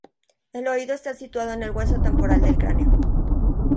El oído está situado en el hueso temporal del cráneo.